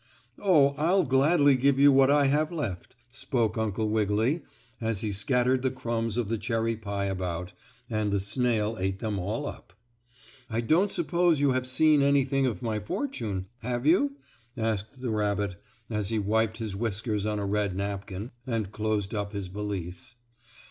"Oh, I'll gladly give you what I have left," spoke Uncle Wiggily, as he scattered the crumbs of the cherry pie about, and the snail ate them all up. "I don't s'pose you have seen anything of my fortune, have you?" asked the rabbit, as he wiped his whiskers on a red napkin, and closed up his valise.